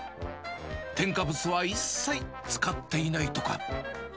添加物は一切使っていないとか。